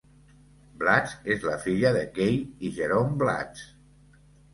Blatz és la filla de Kay i Jerome Blatz.